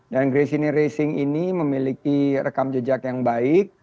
dan gresini racing ini memiliki rekam jejak yang baik